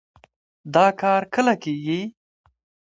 دا کار کله کېږي؟